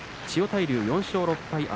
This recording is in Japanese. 千代大龍は６勝６敗